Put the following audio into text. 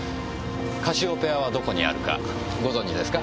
カシオペアはどこにあるかご存じですか？